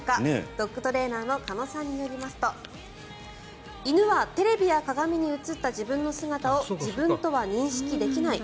ドッグトレーナーの鹿野さんによりますと犬はテレビや鏡に映った自分の姿を自分とは認識できない。